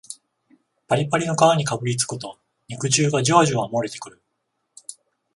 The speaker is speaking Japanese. パリパリの皮にかぶりつくと肉汁がジュワジュワもれてくる